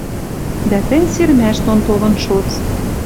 Дӓ тӹнь сирмӓш дон толын шоц.